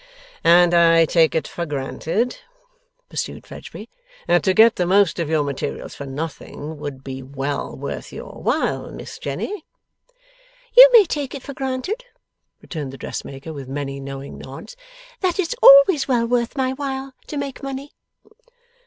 'And I take it for granted,' pursued Fledgeby, 'that to get the most of your materials for nothing would be well worth your while, Miss Jenny?' 'You may take it for granted,' returned the dressmaker with many knowing nods, 'that it's always well worth my while to make money.